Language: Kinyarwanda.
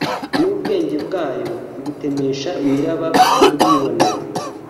N’ubwenge bwayo ibutemesha imiraba y’ubwibone